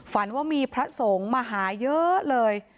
ฝันว่ามีพระสงฆ์มาหาเยอะเลย